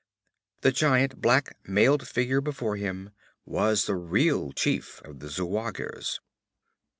The giant black mailed figure before him was the real chief of the Zuagirs.